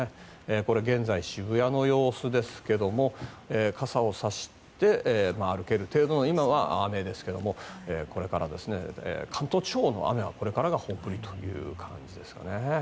これ、現在、渋谷の様子ですが傘を差して歩ける程度の今は雨ですけどもこれから関東地方の雨はこれからが本降りという感じですかね。